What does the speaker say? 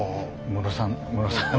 ムロさん